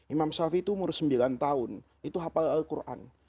imam shafi'i itu umur sembilan tahun itu hafal al quran